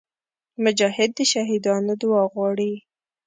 مجاهد د شهیدانو دعا غواړي.